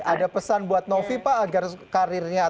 ada pesan buat novi pak agar karirnya atau suatu halnya bisa diberikan